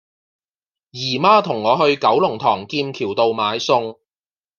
姨媽同我去九龍塘劍橋道買餸